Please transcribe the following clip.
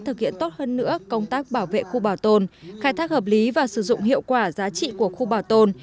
thực hiện tốt hơn nữa công tác bảo vệ khu bảo tồn khai thác hợp lý và sử dụng hiệu quả giá trị của khu bảo tồn